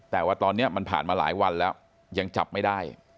แต่ว่าตอนนี้มันผ่านมาหลายวันแล้วยังจับไม่ได้